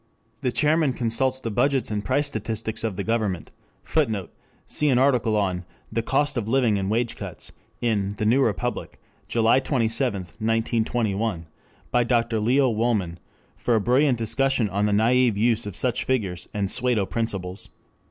The chairman consults the budgets and price statistics of the government. [Footnote: See an article on "The Cost of Living and Wage Cuts," in the New Republic, July 27, 1921, by Dr. Leo Wolman, for a brilliant discussion of the naive use of such figures and "pseudo principles."